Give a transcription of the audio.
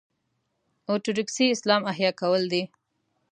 اورتوډوکسي اسلام احیا کول دي.